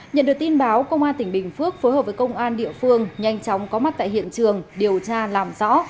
nhận được tin báo công an tỉnh bình phước phối hợp với công an địa phương nhanh chóng có mặt tại hiện trường điều tra làm rõ